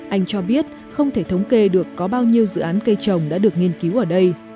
anh cho biết không thể thống kê được có bao nhiêu dự án cây trồng đã được nghiên cứu ở đây